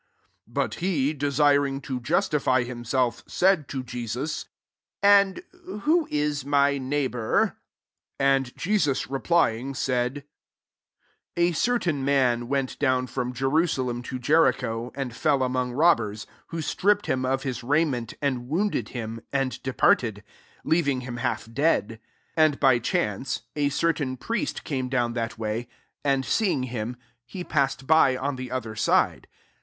'' 29 But he, desiring to justify himself, said to Jesus, *^And who is my neighbour ?"$(^ And Jesus replying, aaldf ^A certain man went dovm from Jerusalem to Jericho, and fell among rotoersi who strip*' ped him of his raiment, and wounded him, imd departed; leaving him half dead. 31 And by chance, a certain prie# 1^ LUKE XL came down that way; and see ing him, he passed by on the other side.